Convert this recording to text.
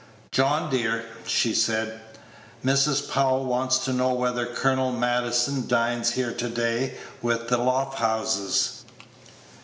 "John, dear," she said, "Mrs. Powell wants to know whether Colonel Maddison dines here to day with the Lofthouses."